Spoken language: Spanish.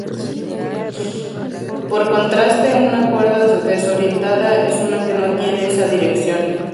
Por contraste, una cuerda desorientada es una que no tiene esa dirección.